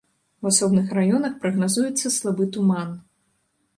У асобных раёнах прагназуецца слабы туман.